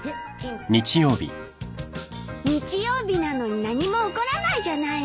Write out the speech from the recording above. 日曜日なのに何も起こらないじゃないの。